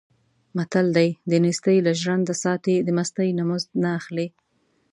متل دی: دنېستۍ نه ژرنده ساتي، د مستۍ نه مزد نه اخلي.